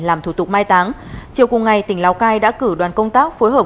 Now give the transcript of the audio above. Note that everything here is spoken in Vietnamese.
làm thủ tục mai táng chiều cùng ngày tỉnh lào cai đã cử đoàn công tác phối hợp